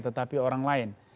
tetapi orang lain